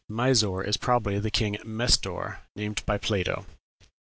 "Misor" is probably the king "Mestor" named by Plato.